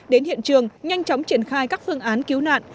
đến hiện trường nhanh chóng triển khai các phương án cứu nạn